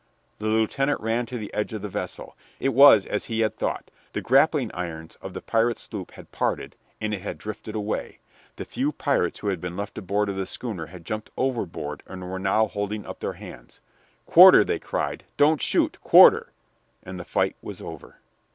The lieutenant ran to the edge of the vessel. It was as he had thought: the grappling irons of the pirate sloop had parted, and it had drifted away. The few pirates who had been left aboard of the schooner had jumped overboard and were now holding up their hands. "Quarter!" they cried. "Don't shoot! quarter!" And the fight was over.